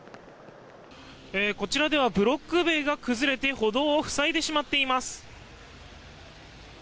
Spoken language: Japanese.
こちらではブロック塀が崩れて歩道を塞いでしまっています。